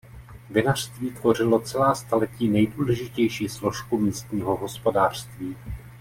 Vinařství tvořilo celá staletí nejdůležitější složku místního hospodářství.